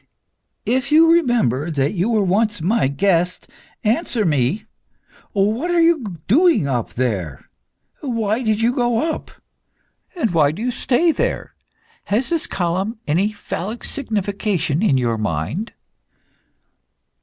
If you remember that you were once my guest, answer me. What are you doing up there? Why did you go up, and why do you stay there? Has this column any phallic signification in your mind?"